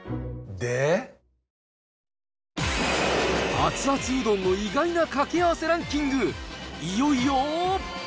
熱々うどんの意外なかけあわせランキング、いよいよ。